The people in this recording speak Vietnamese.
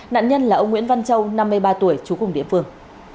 nạn nhân là ông nguyễn văn châu năm mươi ba tuổi trú cùng địa phương